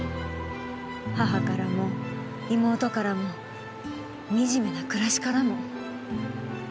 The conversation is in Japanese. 母からも妹からもみじめな暮らしからも。